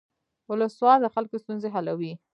ولسوال د خلکو ستونزې حلوي